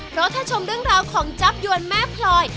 เพราะถ้าชมเรื่องราวของจับยวนแม่พลอย